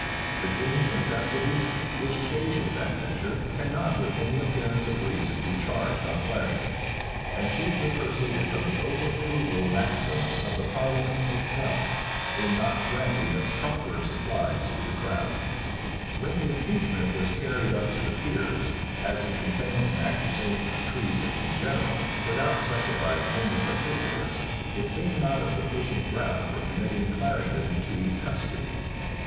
The king's necessities, which occasioned that measure, cannot with any appearance of reason be charged on Clarendon; and chiefly proceeded from the over frugal maxims of the parliament itself, in not granting the proper supplies to the crown. * See note A, at the end of the volume. When the impeachment was carried up to the peers, as it contained an accusation of treason in general, without specifying any particulars, it seemed not a sufficient ground for committing Clarendon to custody.